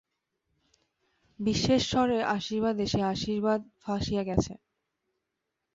বিশ্বেশ্বরের আশীর্বাদে সে আশীর্বাদ ফাঁসিয়া গেছে।